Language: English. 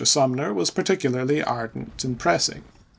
Sumner was par ticularly ardent and pressing.